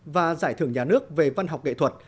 và giải thưởng nhà nước về văn học nghệ thuật